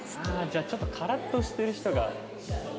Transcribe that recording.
じゃあちょっとカラッとしてる人が。